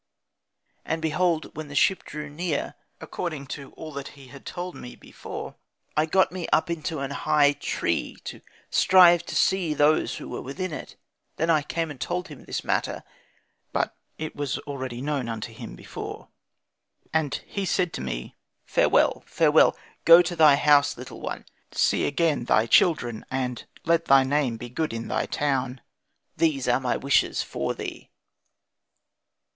"And, behold, when the ship drew near, according to all that he had told me before, I got me up into an high tree, to strive to see those who were within it. Then I came and told to him this matter; but it was already known unto him before. Then he said to me. 'Farewell, farewell, go to thy house, little one, see again thy children, and let thy name be good in thy town; these are my wishes for thee.'"